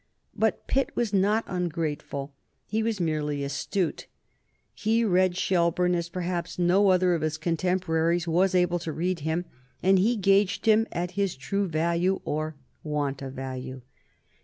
But Pitt was not ungrateful. He was merely astute. He read Shelburne as perhaps no other of his contemporaries was able to read him, and he gauged him at his true value or want of value.